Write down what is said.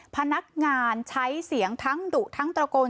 พนักงานใช้เสียงทั้งดุทั้งตระโกน